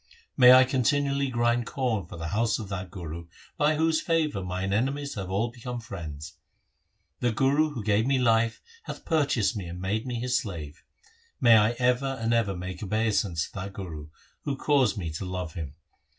May I continually grind corn for the house of that Guru By whose favour mine enemies have all become friends ! The Guru who gave me life Hath purchased me and made me his slave. May I ever and ever make obeisance to that Guru Who caused me to love him